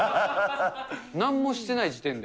なんもしてない時点で。